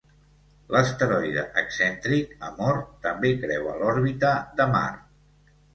L'asteroide excèntric Amor també creua l'òrbita de Mart.